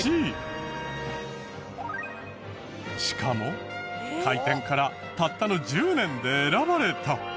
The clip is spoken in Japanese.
しかも開店からたったの１０年で選ばれた。